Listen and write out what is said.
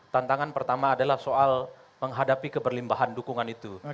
tantangan pertama adalah soal menghadapi keberlimbahan dukungan itu